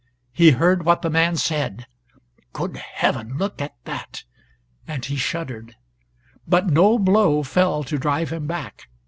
He heard what the man said "Good heaven! Look at that!" and he shuddered. But no blow fell to drive him back.